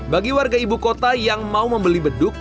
bagi warga ibu kota yang mau membeli beduk